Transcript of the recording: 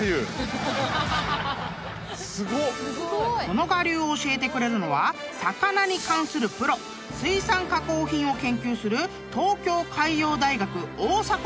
［この我流を教えてくれるのは魚に関するプロ水産加工品を研究する東京海洋大学大迫教授］